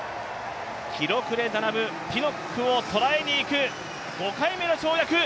記録で並ぶピノックを捉えにいく５回目の跳躍。